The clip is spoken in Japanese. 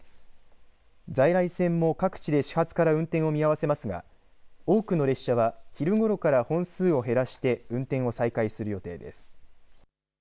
在来線も各地で始発から運転を見合わせますが多くの列車は昼ごろから本数を減らして運転を再開する予定です。